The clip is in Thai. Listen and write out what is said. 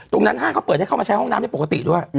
ห้างเขาเปิดให้เข้ามาใช้ห้องน้ำได้ปกติด้วย